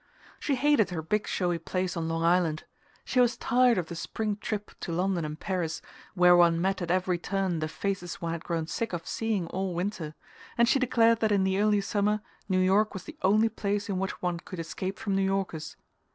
She hated her big showy place on Long Island, she was tired of the spring trip to London and Paris, where one met at every turn the faces one had grown sick of seeing all winter, and she declared that in the early summer New York was the only place in which one could escape from New Yorkers...